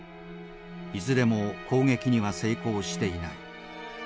いずれも攻撃には成功していない。